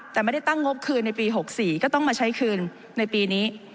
แต่ไม่ได้ตั้งงบคืนในปี๖๔ก็ต้องมาใช้คืนในปีนี้